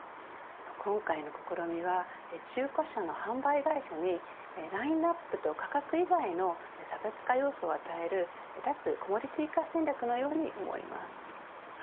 今回の試みは中古車の販売会社にラインアップと価格以外の差別化要素を与える脱コモディティ化戦略のように思います。